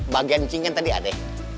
bagian cinggan tadi ade